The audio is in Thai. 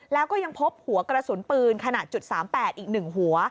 แล้วก็ยังพบหัวกระสุนปืนขนาด๓๘อีก๑หัว